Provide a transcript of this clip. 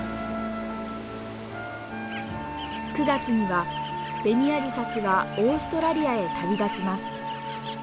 ９月にはベニアジサシはオーストラリアへ旅立ちます。